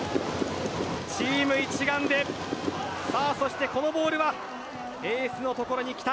チーム一丸でこのボールはエースの所に来た。